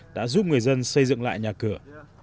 đã giúp người dân xây dựng lại nhà cửa